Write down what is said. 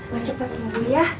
mak cepat sembuh ya